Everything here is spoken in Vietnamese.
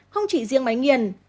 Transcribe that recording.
không chỉ riêng máy nghiền